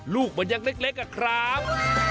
ลูกมันยังเล็กอะครับ